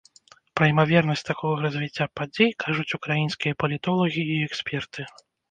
Пра імавернасць такога развіцця падзей кажуць украінскія палітолагі і эксперты.